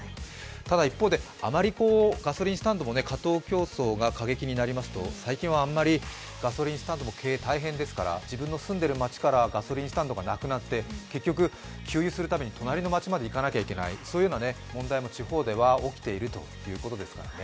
ただ一方で、あまりガソリンスタンドも過当競争が過激になりますと最近はあまりガソリンスタンドも経営大変ですから、自分の住んでいる街からガソリンスタンドがなくなって、結局給油するために隣の町まで行かなきゃいけない、そういう問題も地方では起きているということですからね。